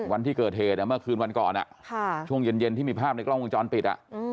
วันที่เกิดเหตุเมื่อคืนวันก่อนช่วงเย็นที่มีภาพในกล้องวงจรปิด